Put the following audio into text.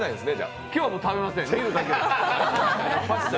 今日はもう食べません。